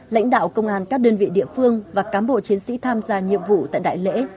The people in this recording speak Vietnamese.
lãnh đạo công an các đơn vị địa phương và cám bộ chiến sĩ tham gia nhiệm vụ tại đại lễ